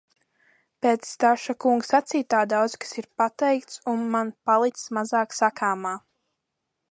Pēc Staša kunga sacītā daudz kas ir pateikts un man palicis mazāk sakāmā.